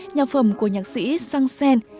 nhạc phẩm của nhạc sĩ sang sen